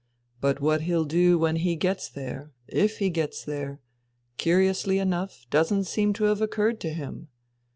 But what he'll do when he gets there (if he gets there), curiously enough doesn't seem to have occurred to him